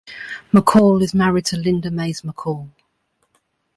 McCaul is married to Linda Mays McCaul.